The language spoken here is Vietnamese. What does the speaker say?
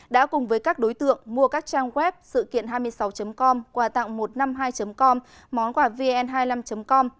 đã cùng với các đối tượng mua các trang web sự kiện hai mươi sáu com quà tặng một trăm năm mươi hai com món quà vn hai mươi năm com